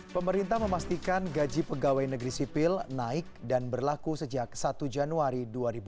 pemerintah memastikan gaji pegawai negeri sipil naik dan berlaku sejak satu januari dua ribu dua puluh